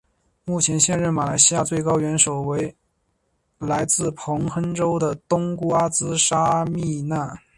目前现任马来西亚最高元首后为来自彭亨州的东姑阿兹纱阿蜜娜。